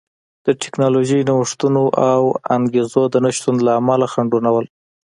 د ټکنالوژیکي نوښتونو او انګېزو د نشتون له امله خنډونه وو